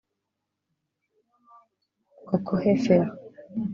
Coco Hefel